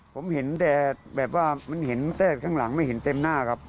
ผมเห็นแต่แบบว่ามันเห็นแต่ข้างหลังไม่เห็นเต็มหน้าครับ